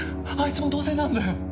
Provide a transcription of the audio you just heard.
あいつも同罪なんだよ。